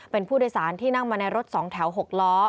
เป็นผู้โดยสารที่นั่งมาในรถ๒แถว๖ล้อ